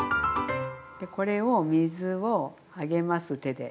これを水を上げます手で。